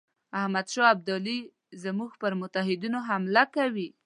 احمدشاه ابدالي زموږ پر متحدینو حمله کوي.